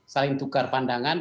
saling tukar pandangan